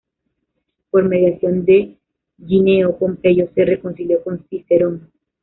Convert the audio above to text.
Por mediación de Gneo Pompeyo se reconcilió con Cicerón.